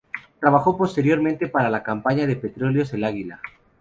Trabajó posteriormente para la compañía de petróleos El Águila.